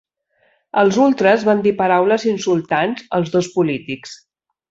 Els ultres van dir paraules insultants als dos polítics